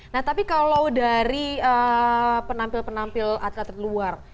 nah tapi kalau dari penampil penampil atlet terluar